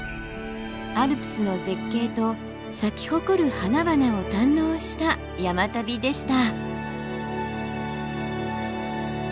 アルプスの絶景と咲き誇る花々を堪能した山旅でした。